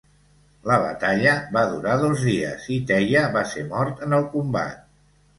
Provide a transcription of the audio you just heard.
La batalla va durar dos dies i Teia va ser mort en el combat.